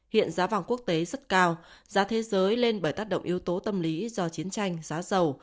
hiện giá vàng quốc tế rất cao giá thế giới lên bởi tác động yếu tố tâm lý do chiến tranh giá dầu